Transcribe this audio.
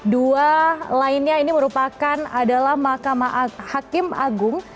dua lainnya ini merupakan adalah mahkamah hakim agung